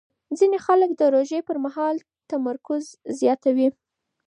ځینې خلک د روژې پر مهال تمرکز زیاتوي.